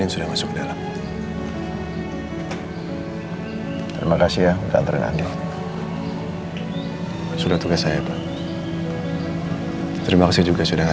sampai jumpa di video selanjutnya